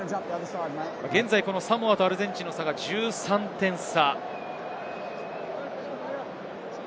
現在、サモアとアルゼンチンの差が１３点差。